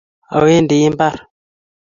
Awendi imbar.